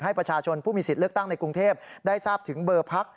ให้ประชาชนผู้มีสิทธิ์เลือกตั้งในกรุงเทพได้ทราบถึงเบอร์พัก